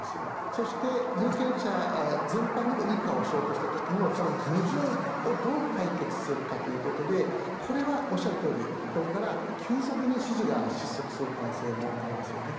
そして、有権者全般にもいい顔をしようとした時のその矛盾をどう解決するかということでこれはおっしゃるとおりこれから急速に支持が失速する可能性もありますよね。